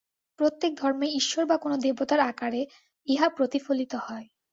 প্রত্যেক ধর্মেই ঈশ্বর বা কোন দেবতার আকারে ইহা প্রতিফলিত হয়।